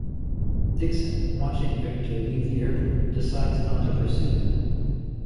Dixon, watching Viktor leave the airport, decides not to pursue him.